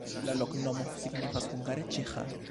La loknomo signifas hungare: ĉeĥa.